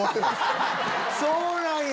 そうなんや！